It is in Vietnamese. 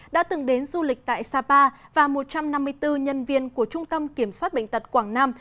đã từng đến du lịch tại sapa và một trăm năm mươi bốn nhân viên của trung tâm kiểm soát bệnh tật quảng nam